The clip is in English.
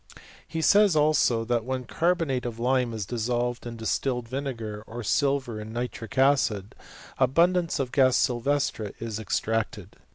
f He says, also, that when carbonate of lime is dissolved in distilled vinegar, or silver in nitric acid, abundance of gas sylvestre is extricated.